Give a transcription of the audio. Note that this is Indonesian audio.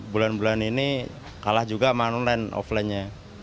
bulan bulan ini kalah juga online offline nya